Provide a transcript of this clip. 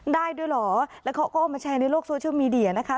ได้ด้วยเหรอแล้วเขาก็เอามาแชร์ในโลกโซเชียลมีเดียนะคะ